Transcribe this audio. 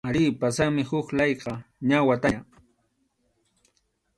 Arí, pasanmi huk layqa, ña wataña.